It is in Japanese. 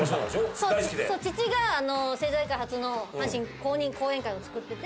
そう父が政財界初の阪神公認後援会をつくってて。